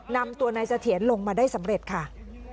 นำตัวนายเสถียรลงมาได้สำเร็จค่ะ